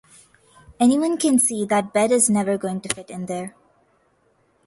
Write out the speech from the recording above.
Anyone can see that bed is never going to fit in there.